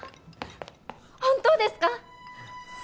本当ですか？